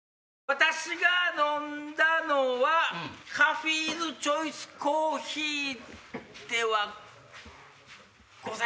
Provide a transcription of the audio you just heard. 私が飲んだのはカフィーズチョイスコーヒーではございません。